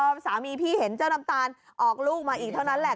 พอสามีพี่เห็นเจ้าน้ำตาลออกลูกมาอีกเท่านั้นแหละ